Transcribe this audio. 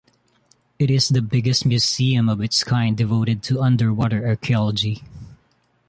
It is the biggest museum of its kind devoted to underwater archaeology.